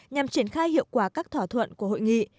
nhằm triển khai hiệu quả các thỏa thuận của hội nghị